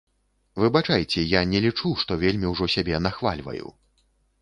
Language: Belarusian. Выбачайце, я не лічу, што вельмі ўжо сябе нахвальваю.